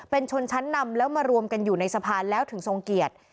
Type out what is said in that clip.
เป็นชนชั้นนำแล้วมารวมกันอยู่ในสะพานแล้วถึงทรงเกียรติ